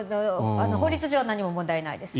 法律上は何も問題ないです。